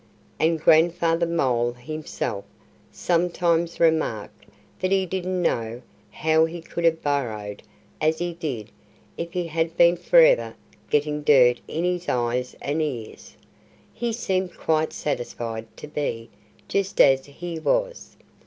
And Grandfather Mole himself sometimes remarked that he didn't know how he could have burrowed as he did if he had been forever getting dirt in his eyes and ears. He seemed quite satisfied to be just as he was.